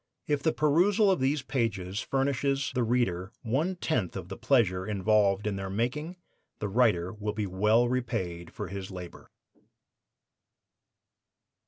If the perusal of these pages furnishes the reader one tenth of the pleasure involved in their making, the writer will be well repaid for his labor.